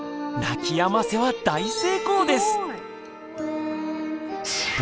泣きやませは大成功です。